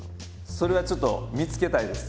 それはちょっと見つけたいです。